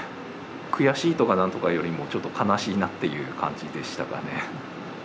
悔しいとかなんとかよりも、ちょっと悲しいなっていう感じでしたかね。